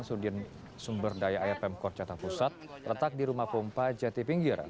sudin sumber daya air pemkot jakarta pusat letak di rumah pompa jati pinggir